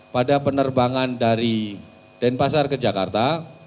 pada penerbangan dari denpasar ke jakarta